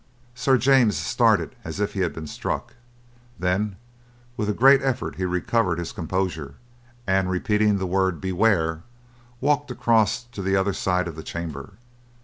Sir James started as if he had been struck. Then, with a great effort he recovered his composure, and, repeating the word "Beware!" walked across to the other side of the chamber.